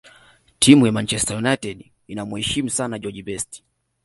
timu ya manchester united inamuheshimu sana george best